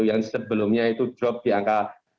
yang sebelumnya itu drop di angka lima puluh enam puluh